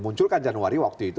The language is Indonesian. muncul kan januari waktu itu